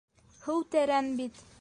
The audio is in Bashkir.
- Һыу тәрән бит...